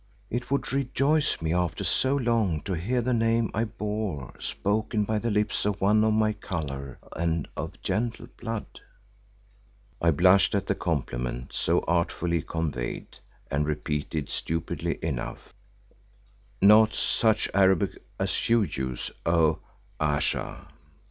It would rejoice me after so long to hear the name I bore spoken by the lips of one of my colour and of gentle blood." I blushed at the compliment so artfully conveyed, and repeated stupidly enough, "—Not such Arabic as you use, O—Ayesha."